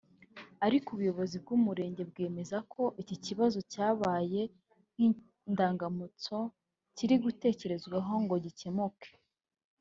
ariko ubuyobozi bw’Umurenge bwemeza ko iki kibazo cyabaye nk’indamutso kiri gutekerezwaho ngo gikemuke